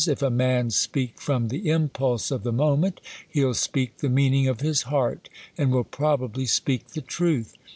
If a man speak from the impulse of the moment, he'll speak the mean ing of his heart ; ar.d will probably speak the truth.